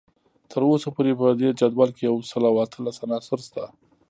تر اوسه پورې په دې جدول کې یو سل او اتلس عناصر شته